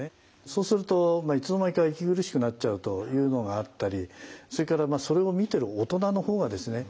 そうするといつの間にか息苦しくなっちゃうというのがあったりそれからそれを見てる大人の方がですね